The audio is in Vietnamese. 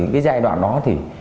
cái giai đoạn đó thì